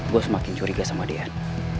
gue semakin curiga sama dean